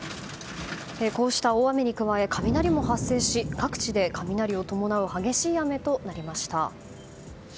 こうした大雨に加え雷も発生し各地で雷を伴う激しい雨となりました。